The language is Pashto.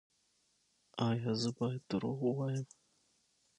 ایا زه باید دروغ ووایم؟